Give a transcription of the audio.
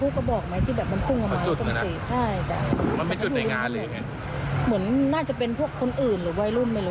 ปุ๊บที่หน้าแล้วก็เสียงอะไร